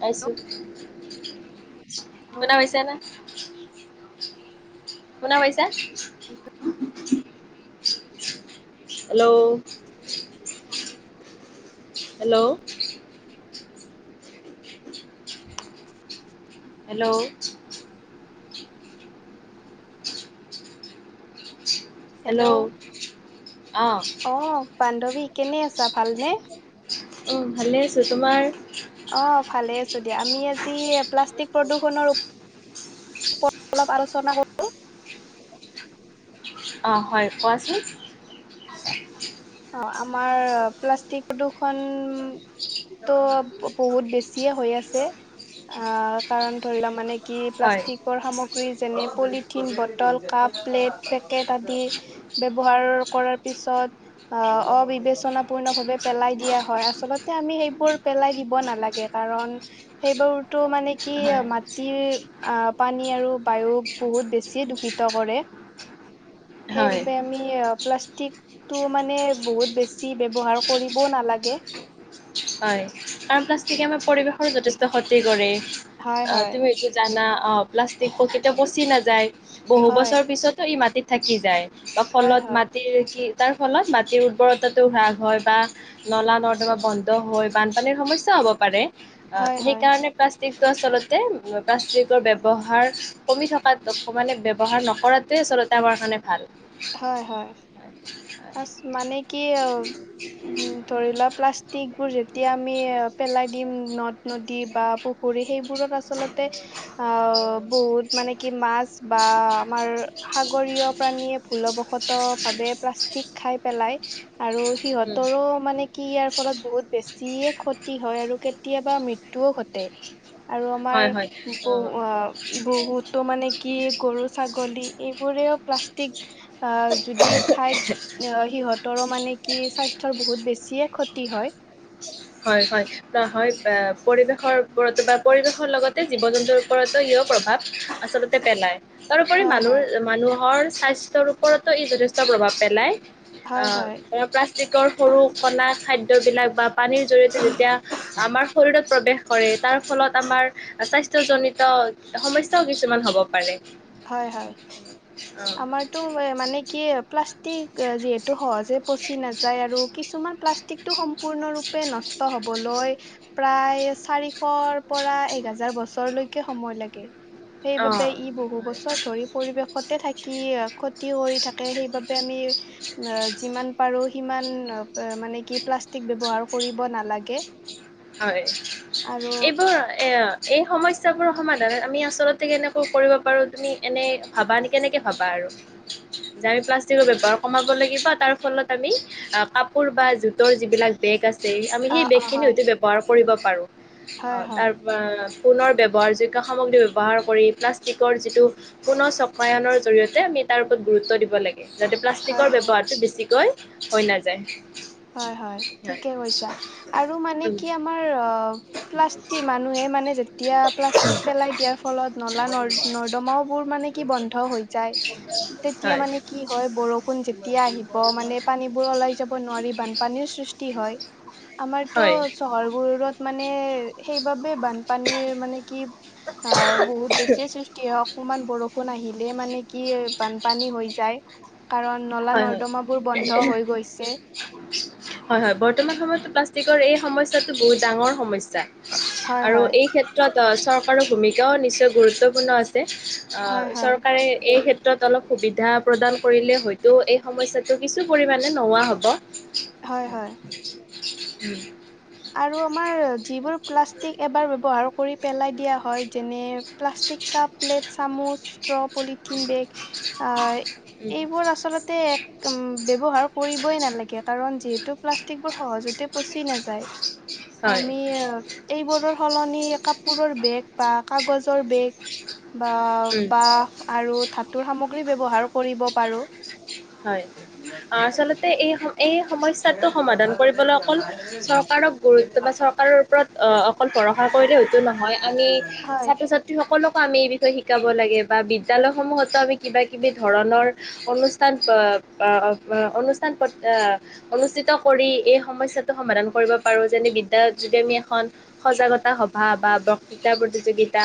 পাইছো হেল্ল' শুনা হৈছে না? শুনা পাইছাঁ? হেল্ল' হেল্ল' হেল্ল' হেল্ল' অ অ পানণ্ডৱী কেনে আছা ভালনে? অ ভালে আছো তোমাৰ? অ ভালে আ দিয়া আমি আজি প্লাষ্টিক প্ৰদূষণৰ ওপৰত অলপ আলোচনা কৰোঁ। অঁ হয় কোৱাচোন। অ আমাৰ প্লাষ্টিক প্ৰদূৰ্ষণ ত' বহুত বেছিয়ে হৈ আছে অ কাৰণ ধৰি লোৱা মানে কি হয় প্লাষ্টিকৰ সামগ্ৰী যেনে polythene bottle cup plate packet আদি ব্যৱহাৰৰ কৰাৰ পিছত অবিবেচনা পূণ হিচাপে পেলায় দিয়া আচলতে এই বোৰ পেলায় দিব নালাগে কাৰণ সেই বোৰ হয় মাটি পানী বায়ু বহুত দূষিত কৰে, সেই হয় বাবে আমি প্লাষ্টিক টো মানে বহুত বেছি ব্যৱহাৰ কৰিবও নালাগে। হয় কাৰণ প্লাষ্টিকে আমাৰ পৰিৱেশৰো যথেষ্ট ক্ষতি কৰে। হয় অহ হয় তুমি এইটো জানা অ প্লাষ্টিক প্ৰকতে পচি নাযায়। বহু হয় বছৰ পিছতো ই মাটিত থাকি যায় বা হয় ফলত হয় মাটিৰ কি তাৰ ফলত মাটিৰ উৰ্বৰতাটো হ্ৰাস হয় বা নলা নৰ্দ বা বন্ধ হৈ বানপানীৰ সমস্যাও হ'ব পাৰে হয় হয় সেইকাৰণে টো আচলতে প্লাষ্টিকৰ ব্যৱহাৰ কমি থকাত মানে ব্যৱহাৰ নকৰাটোৱে ওচৰতে আমাৰ কাৰণে ভাল হয়, হয়। আচ মানে কি অ উ ধৰি লোৱা প্লাষ্টিক বোৰ যেতিয়া আমি পেলাই দিম নদ নদী বা পুখুৰী সেইবোৰত আচলতে অ বহুত মানে কি মাছ বা আমাৰ সাগৰীয় প্ৰাণীয়ে ভুলবশত ভাৱে প্লাষ্টিক খাই পেলাই আৰু উম, সিহঁতৰো মানে কি ইয়াৰ ফলত বহুত বেছিয়ে ক্ষতি হয় আৰু কেতিয়াবা মৃত্যয়ুও ঘটে আৰু আমাৰ হয় হয় অ'। বহু বহুতো মানে কি গৰু ছাগলী এইবোৰেও প্লাষ্টিক অ যদি খাই সিহঁত মানে কি স্বাস্থ্যৰ বহুত বেছিয় ক্ষতি হয়। হয়। হয়, হয় পৰিৱেশৰ ওপৰতো বা পৰিৱেশৰ লগতে জীৱ জন্তুৰ ওপৰতো ইয়ো প্ৰভাৱ আচলতে পেলায় তাৰোপৰি হয় মানুহ হয়। মানুহৰ স্বাস্থ ওপৰতো ই যথেষ্ট প্ৰভাৱ পেলায়। হয় হয় অব প্লাষ্টিকৰ সৰু কলা খাদ্যয়বিলাক পানীৰ জৰিয়তে যেতিয়া আমাৰ শৰীৰত প্ৰৱেশ কৰে তাৰ ফলত আমাৰ স্বাস্থ্যজনিত সমস্যাও কিছুমান হ'ব পাৰে। হয়, হয় অ আমাৰতো মানে কি প্লাষ্টিক যিহেতু টো সহজে পচি নাযায় আৰু কিছুমান প্লাষ্টিক টো সম্পূৰ্ণ ৰূপে নষ্ট হ'বলৈ প্ৰায় চাৰিশৰ পৰা এক হাজাৰ বছৰলৈকে সময় লাগে সেই অ বাবে ই বহু বস্তু পৰিৱেশত থাকি ক্ষতি কৰি থাকে সেইবাবে আমি যিমান পাৰো সিমানে কি প্লাষ্টিক ব্যৱহাৰ কৰিব নালাগে। হয়। আৰু এইবোৰ এ এই সমস্যাবোৰৰ সমাধান আমি আচলতে কেনেকৈ কৰিব পাৰো তুমি এনে ভাবা নি কেনেকে ভাবা আৰু [unintelligible] যে আমি প্লাষ্টিকৰ ব্যৱহাৰ কমাব লাগিব তাৰ ফলত আমি কাপোৰ বা জোতৰ যিবিলাক বেগ আছে সআমি অ সেই অ বেগখিনি হয় হয়তো ব্যৱহাৰ কৰিব পাৰোঁ হয় হয় তাৰপ পুনৰ ব্যৱহাৰ যোগ্য সামগ্ৰী ব্যৱহাৰ কৰি প্লাষ্টিকৰ যিটো পুনৰ চকায়নৰ জৰিয়তে আমি তাৰ ওপৰত গুৰুত্ব দিব লাগে যাতে হয় প্লাষ্টিকৰ হয় ব্যৱহাৰটো বেছিকৈ হৈ নাযায়। হয় হয় ঠিকে কৈছা আৰু মানে উম কি আমাৰ প্লাষ্টিক মানুহে মানে যেতিয়া প্লাষ্টিক পেলাই দিয়াৰ ফলত নলা নদ নৰ্দমাও বোৰ মানে কি বন্ধ হৈ যায় তেতিয়া হয় মানে কি হয় বৰষুণ যেতিয়া আহি মানে পানীবোৰ ওলাই যাব নোৱাৰিব বানপানীৰ সৃষ্টি হয় আমাৰতো হয় চহৰবোৰত মানে সেইবাবে বানপানীৰ মানে কি অ বহুত বেছিয়ে সৃষ্টি হয় অকণমান বৰষুণ বৰষুণ আহিলে মানে কি বানপানী হৈ যায় কাৰণ নলা হয় হয় নৰ্দমাও বোৰ বন্ধ হৈ গৈছে হয় হয় বৰ্তমান সময়তো প্লাষ্টিকৰ এই সমস্যাটো বহুত ডাঙৰ সমস্যা হয় আৰু হয় এই ক্ষেত্ৰত চৰকাৰৰ ভূমিকাও নিশ্চয় গুৰুত্বপূৰ্ণ আছে হয় হয় [unintelligible] ত' এই সমস্যাটো কিছু পৰিমণে নোহোৱা হ'ব হয় হয় উ আৰু আমাৰ যিবোৰ প্লাষ্টিক এবাৰ ব্যৱহাৰ কৰি পেলাই দিয়া হয় যেনে প্লাষ্টিক কাপ প্লেট চামুচ ষ্ট্ৰ পলিথিন বেগ উম, আহ এইবোৰ আচলতে এক উ ব্যৱহাৰ কৰিবই নালাগে কাৰণ যিহেতু প্লাষ্টিক বোৰ সহজতে পচি নাযায় হয় আমি এইবোৰৰ সলনি কাপোৰৰ বেগ বা কাগজৰ বেগ বা বা উম আৰু সামগ্ৰী ব্যৱহাৰ কৰিব পাৰো হয় আচলতে এই এই সমস্যাটো সমাধান কৰিবলৈ অকল চৰকাৰক গুৰুত্ব বা চৰকাৰৰ ওপৰত অহ অকল ভৰসা কৰিলে হয়তো নহয় আমি হয় ছাত্ৰ ছাত্ৰী সকলকো আমি এই বিষয়ে শিকাব লাগে বা বিদ্যালয়সমূহতো আমি কিবা কিবি ধৰণৰ অনু অনুষ্ঠান অনুষ্ঠিত কৰি এই সমস্যাটো সমাধান কৰি কৰিব পাৰো যেনে বিদ্যয় যোগে আমি এখন সজাগতা সভা বা বক্তৃতা প্ৰতিযোগিতা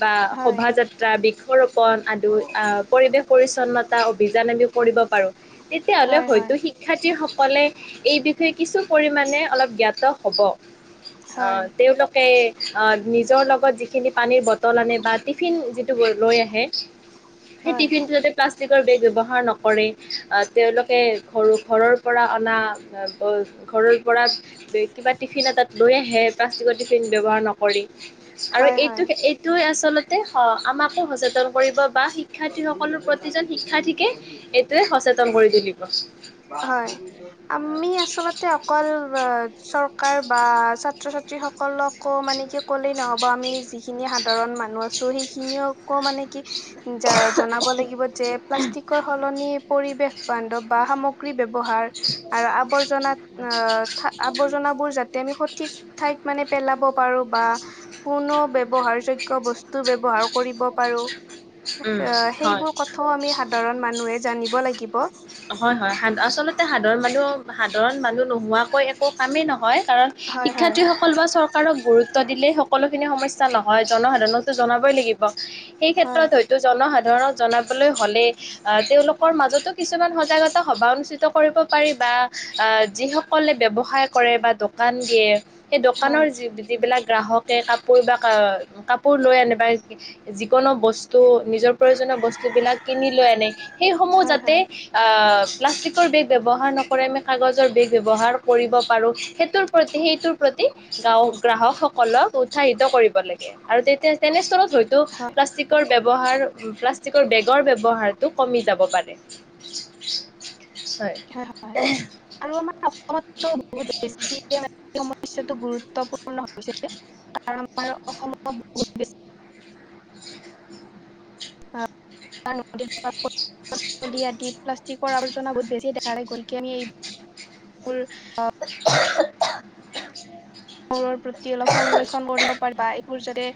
বা হয় শভাযাত্ৰা বৃক্ষৰোপন আদি আহ পৰিৱেশ পৰিচ্ছন্নতা অভিযান আমি কৰিব পাৰো তেতিয়াাহলে হয় হয়তো হয় শিক্ষাৰ্থীৰ ক'লে এই বিষয়ে কিছু পৰিমাণে অলপ জ্ঞাত হ'ব অ', হয় হয় তেউলোকোকেই নিজৰ লগত যিখিনি পানীৰ বটল আনে বা টিফিন যিটো লৈ আহে। সেই হয় টিফিন টো যা প্লাষ্টিকৰ বেগ ব্যৱহাৰ নকৰে কৰে আহ তেওঁলোকে ঘৰু ঘৰৰ পৰা অনা ঘৰৰ পৰা কিবা টিফিন এটাাত লৈ আহে প্লাষ্টিকৰ টিফিন ব্যৱহাৰ নকৰি আৰু হয় হয় এইটো এইটো আচলতে আমাকো সচেতন কৰিব। বা শিক্ষাৰ্থি সকলৰ প্ৰতিজন শিক্ষাৰ্থীকে এইটোয়ে সচেতন কৰি তুলিব হয় আমি আচলতে অকল চৰকাৰ বা ছাত্ৰ ছাত্ৰীস অকলকো মানে কি ক'লেই নহ'ব আমি যিখিনি সাধাৰণ মানুহ আছোঁ সেইখিনিকো মানে কি? জনাব লাগিব যে প্লাষ্টিকৰ সলনি পৰিৱেশ বান্ধৱ। বা সামগ্ৰী ব্যৱহাৰ আৰু আৱৰ্জনাত ঠিক ঠাই মানে পেলাব পাৰো বা কোনো ব্য্ৱহাৰ যোগ্য বস্তু ব্যবহাৰ কৰিব উম, হয়। সেইবোৰ কথাও আমি সাধাৰণ মানুহে জানিব লাগিব হয় হয় সাধ আচলতে সাধাৰণ মানুহ সাধাৰণ মানুহ নোহোৱাকৈ একো কামেই নহয় কাৰণ হয় হয় শিক্ষাৰ্থীসকল বা চৰকাৰক গুৰুত্ব ু দিলেই সকলোখিনি সমস্যা নহয় জনসাধাৰণো জনাবই লাগিব সেই হয়। ক্ষেত্ৰত হয়তো জনসাধাৰণ ধৰক জনাবলৈ হ'লে তেওঁলোকৰ মাজতো কিছুমান সজাগতা সভা অনুষ্ঠিত কৰিব পাৰি বা আহ যিসকলে ব্য্ৱসায় কৰে বা দোকান দিয়ে সেই দোকানৰ হয়, যি যিবিলাক গ্ৰাহকে কাপোৰ বা কাপোৰ লৈ আনিবা যিকোনো বস্তু। ত নিজৰ প্ৰয়োজনীয় বস্তু বিলাক কিনি লৈ আনে সেইসমূহ হয়, যাতে হয়, অহ প্লাষ্টিকৰ বেগ ব্যৱহাৰ নকৰি আমি কাগজৰড বেগ ব্যৱহাৰ কৰিব পাৰো সেইটোৰ প্ৰতি আমি সেইটোৰ প্ৰতি গাঁও গ্ৰাহকসকলক উৎসাহিত কৰিব লাগে আৰু তেতিয়া তেনেস্থলত হয়তো হয়, প্লাষ্টিকৰ ব্যৱহাৰ, প্লাষ্টিকৰ বেগৰ ব্যৱহাৰটো কমি যাব পাৰে। [unintelligible] হয়-হয় আৰু আমাৰ অসমতো বহু বেছি মানে টো গুৰুত্বপূৰ্ণ হৈছে কাৰণ আমাৰ অসমত বহুত বেছি। [unintelligible] আবৰ্জনা বহুত বেছি দেখা গতিকে আমি এইবোৰ আ [unintelligible] ৰ প্ৰতি অলপ সংৰক্ষণ কৰিব পাৰ বা এইবোৰ যতে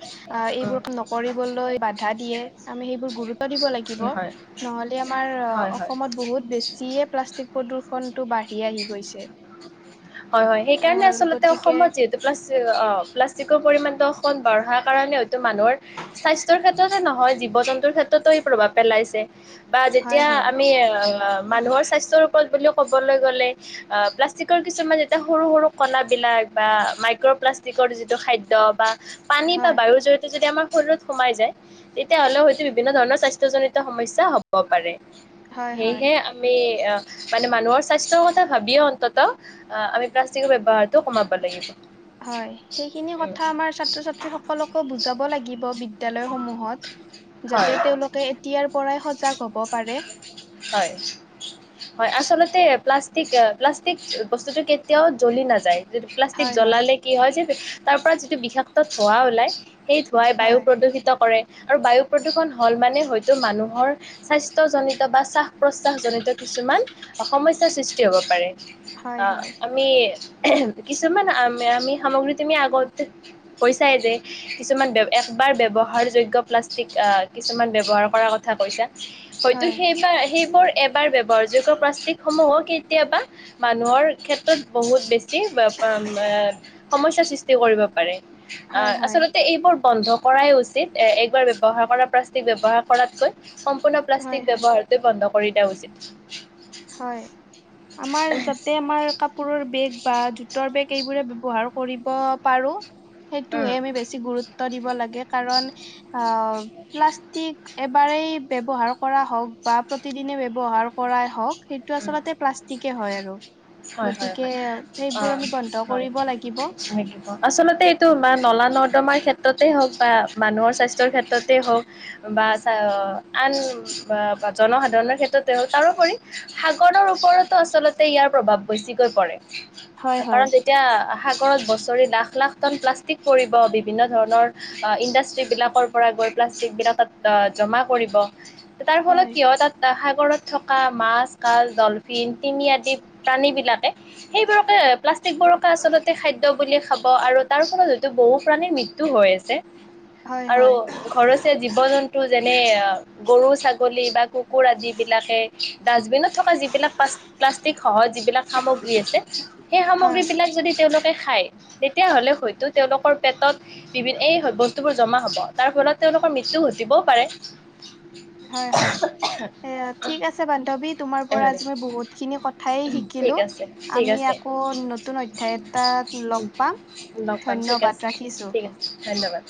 এইবোৰ ক নকৰি। বাধা দিয়ে আমি সেইবোৰ গুৰুত্ব গুৰুত্ব দিব লাগিব, হয় ধন হ'লে আমাৰ হয় হয় অসমত বহুত বেছিয়ে প্লাষ্টিক প্ৰদূৰষণটো বাঢ়ি আহি গৈছে। হয়, হয় সেই কাৰণে আহ আচলতে গতিকে অসমত যিহেতে প্লাষ্ট অ প্লাষ্টিকৰ পৰিমমানটো অকণ বঢ়া কাৰণে হয়তটো মানুহৰ স্বাস্থ্য ক্ষেত্ৰততে নহয়'। হয় জীৱ-জন্তুৰ ক্ষেত্ৰতো ই প্ৰভাৱ পেলাইছে। বা হয়, যেতিয়া হয়, আমি অ মানুহৰ স্বাস্থ্যৰ ওপৰত বুলি ক ক'বলৈ গ'লে। কিছুমান যেতিয়া সৰু-সৰু কলাাবলাক বা মাইক্ৰ'প্লাষ্টিকৰ যিটো খাদ্য বা পানী বা হয়, বায়ুৰ জৰিয়তে যদি আমাৰ শৰীৰত সোমাই যায়, তেতিয়া হ'লেও হয়তো বিভিন্ন ধৰণৰ স্বাস্থ্যজনিত সমস্যা হ'ব পাৰে। হয়, হয়। সেয়হে আমি মানে মানুহৰ স্বাস্থ্যৰ কথা ভাবিে অন্ততঃ আহ আমি প্লাষ্টিকৰ ব্যৱহাৰতটো কমাব লাগিব। হয়, সেইখিনি উম, কথা আমাৰ ছাত্ৰ-ছাত্ৰীসকলকো বুজাব লাগিব বিদ্যালয়সমূহত। হয় যাতে তেওঁলোকে এতিয়াৰ পৰাই সজাগ হ'ব পাৰে। হয়-হয় আছ প্লাষ্টিক, প্লাষ্টিক বস্তুতটো কেতিয়াও জ্বলি নাযায় য প্লাষ্টিক হয় হয় জ্বলালে কি হয় যে তাৰ পৰা যিটো বিষাক্ত ধোঁৱা ওলাই, সেই ধোঁৱাই বায়ু হয় প্ৰদূষিত কৰে। আৰু বায়ু প্ৰদূষণ হ'ল মানে হয়তো মানুহৰ স্বাস্থ্যজনিত বা শ্বাস প্ৰশ্বাস জনিত। কিছুমান সমস্যাৰ সৃষ্টি হ'ব পাৰে, হয় আহ হয় আমি। কিছুমান আমি আমি সামগ্ৰী তুমি আগত হৈছাই যে কিছুমান বাৰ ব্যৱহাৰযোগ্য প্লাষ্টিক কিছুমান ব্যৱহাৰ কৰাৰ কথা কৈছা। হয়তো হয় সেইবাৰ সেই বোৰ এবাৰ ব্যৱহাৰযোগ্য প্লাষ্টিক সমূহো কেতিয়াবা মানুহৰ ক্ষেত্ৰত বহুত বেছি সমস্যাৰ সৃষ্টি কৰিব পাৰে। হয় অ' হয় আচলতে এইবোৰ বন্ধ কৰাই উচিত, এ একবাৰ ব্যৱহাৰ কৰা প্লাষ্টিক ব্যৱহাৰ কৰাতকৈ। সম্পূৰ্ণ হয় প্লাষ্টিক হয় ব্যৱহাৰটোৱে বন্ধ কৰি দিয়া উচিত। হয়, আমাৰ যাতে আমাৰ কাপোৰৰ বেগ বা জোতৰ বেগ এইবোৰে ব্যৱহাৰ কৰিব পাৰো। উম, সেইটোহে আমি বেছি গুৰুত্ব দিব লাগে কাৰণ আহ প্লাষ্টিক এবাৰেই ব্যৱহাৰ কৰা হওঁক বা প্ৰতিদিনে ব্যৱহাৰ কৰাই হওঁক। সেইটো উম, আচলতে প্লাষ্টিকে হয় আৰু অ' গতিকে সেইবোৰ আমি বন্ধ হয়-হয় কৰিব লাগিব। আচলতে এইটো নলা নৰ্দমাই। ক্ষেত্ৰতে হওক বা মানুহৰ স্বাস্থ্যৰ ক্ষেত্ৰতেইঢ হওক বা আন জনসাধাৰণৰ ক্ষেত্ৰত তাৰোপৰি সাগৰৰ ওপৰতো আচলতে ইয়াৰ প্ৰভাৱ বেছিকৈ পৰে হয় কাৰণ হয়। তেতিয়া [unintelligible] প্লাক বিলাক ত জমা কৰিব তাৰ ফলত হয় কিয় তাত সাগৰত থকা মাছ কাজ ডলফিন তিনি আদি প্ৰাণী বিলাকে সেইবোৰাকে প্লাষ্টিক বৰকা আচলতে খাদ্য বুলি খাব আৰু তাৰ ফলত হয়তো বহু প্ৰাণে মৃত্যু হৈ আছে হয় আৰু হয় ঘৰচ জীৱ জন্তু। যেনে গৰু ছাগলী বা কুকুৰ আদ বিলাকে ডাষ্টবিনত থকা যিবিলাক প্লা প্লাষ্টিক সহ যিবিলাক সামগ্ৰী আছে সেই সামগ্ৰী হয় বিলাক যদি তেওঁলোকে খায় তেতিয়া হলে হয়তো তেওঁলোকৰ পেটত বিভিন্ এই বস্তুবোৰ জমা হ'ব তাৰ ফলত তেওঁলোকৰ মৃত্যু ঘটিবও পাৰে হয় হয় ঠিক আছে বান্ধৱী তোমাৰ পৰাজি ম বুত ঠাই শিকিলো ঠিক আছে ঠিক আমি আছে আকৌ নতুন অধ্যায় এটা লগ পাম লগ পাম ঠিক ধন্যবাদ আছে ৰাখিছোঁ ঠিক আছে ধন্যবাদ।